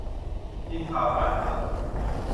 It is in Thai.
ทีมข่าวการเมือง